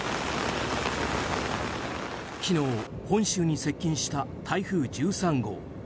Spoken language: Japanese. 昨日、本州に接近した台風１３号。